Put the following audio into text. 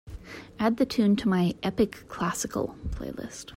Add the tune to my Epic Classical playlist.